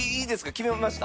決めました？